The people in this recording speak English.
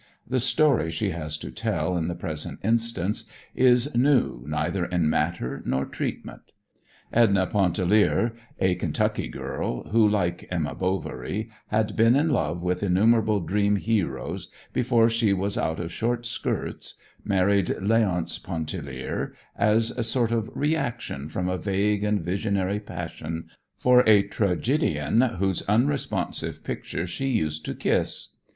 The story she has to tell in the present instance is new neither in matter nor treatment. "Edna Pontellier," a Kentucky girl, who, like "Emma Bovary," had been in love with innumerable dream heroes before she was out of short skirts, married "Leonce Pontellier" as a sort of reaction from a vague and visionary passion for a tragedian whose unresponsive picture she used to kiss.